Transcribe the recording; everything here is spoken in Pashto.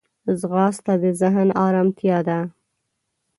ځغاسته د ذهن ارمتیا ده